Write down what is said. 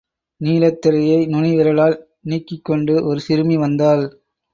நீலத் திரையை நுனி விரலால் நீக்கிக் கொண்டு ஒரு சிறுமி வந்தாள்.